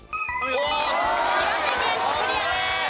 岩手県クリアです。